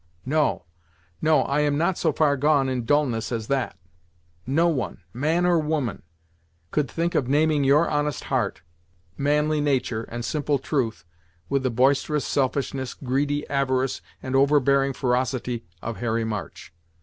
No, no, I am not so far gone in dullness as that. No one man or woman could think of naming your honest heart, manly nature, and simple truth, with the boisterous selfishness, greedy avarice, and overbearing ferocity of Harry March.